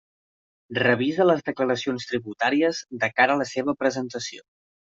Revisa les declaracions tributàries de cara a la seva presentació.